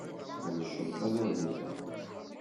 Tesqedceḍ tadabut-a.